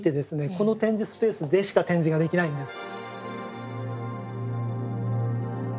この展示スペースでしか展示ができないんです。